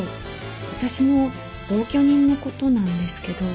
私の同居人のことなんですけど。